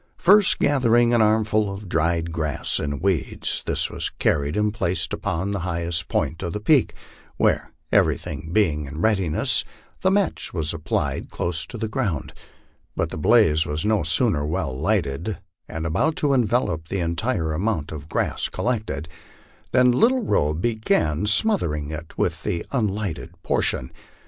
First gathering an armful of dried grass and weeds, this was carried and placed upon the highest point of the peak, where, everything being in readiness, the match was applied close to the ground ; but the blaze was no sooner well lighted and about to envelop the entire amount of grass collected, than Little Robe began smothering it with the unlighted portion.